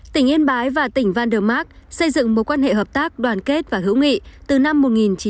tỉnh yên bái và tỉnh vandermark xây dựng một quan hệ hợp tác đoàn kết và hữu nghị từ năm một nghìn chín trăm chín mươi sáu